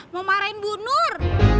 mau marahin bu nur